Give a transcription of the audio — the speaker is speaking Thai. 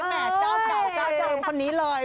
แม่เจ้าเก่าเจ้าเดิมคนนี้เลย